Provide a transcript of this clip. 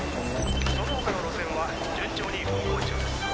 その他の路線は順調に運行中です